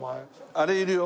あれいるよ。